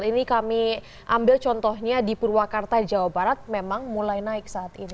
ini kami ambil contohnya di purwakarta jawa barat memang mulai naik saat ini